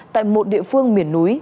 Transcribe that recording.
tại một địa phương miền núi